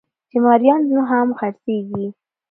چې مريان هم خرڅېږي